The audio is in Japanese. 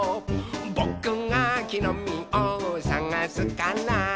「ぼくがきのみをさがすから」